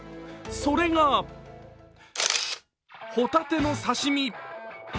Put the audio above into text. それが、ホタテの刺身。